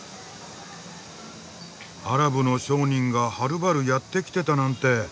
アラブの商人がはるばるやって来てたなんて。